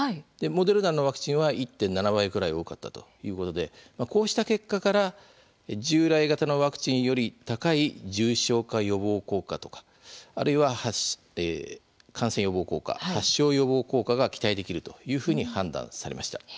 モデルナのワクチンは１．７倍くらい多かったということでこうした結果から従来型のワクチンより高い重症化予防効果とかあるいは感染予防効果発症予防効果が期待できるというふうに判断されました。